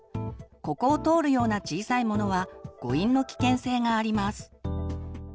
ここを通るような小さいものは誤飲の危険性があります。